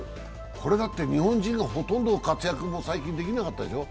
これだって日本人がほとんど活躍、最近できなかったでしょう？